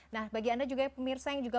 nah bagi anda juga pemirsa yang juga